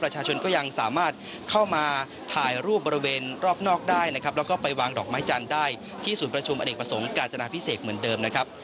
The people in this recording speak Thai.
ประชาชนก็ยังสามารถเข้ามาถ่ายรูปบริเวณรอบนอกได้นะครับแล้วก็ไปวางดอกไม้จันทร์ได้ที่ศูนย์ประชุมอเนกประสงค์กาญจนาพิเศษเหมือนเดิมนะครับ